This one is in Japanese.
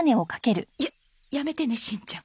ややめてねしんちゃん。